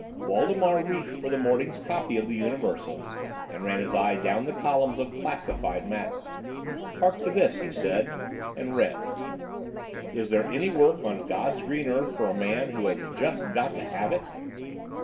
Waldemar reached for the morning's copy of the Universal and ran his eye down the columns of "classified" matter. "Hark to this," he said, and read: "Is there any work on God's green earth for a man who has just got to have it?"